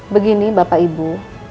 begini bapak ibu